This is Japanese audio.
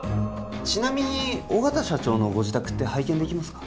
ちなみに緒方社長のご自宅って拝見できますか？